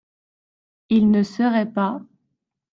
Il ne seraient pas